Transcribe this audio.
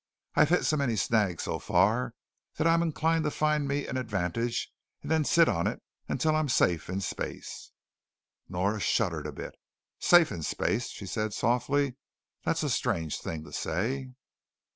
I've hit so many snags so far that I'm inclined to find me an advantage and then sit on it until I'm safe in space." Nora shuddered a bit. "Safe in space," she said softly. "That's a strange thing to say."